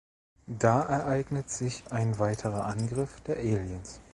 Da ereignet sich ein weiterer Angriff der Aliens.